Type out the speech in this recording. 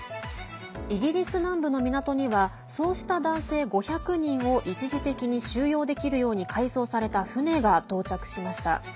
イギリス南部の港にはそうした男性５００人を一時的に収容できるように改装された船が到着しました。